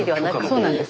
そうなんです。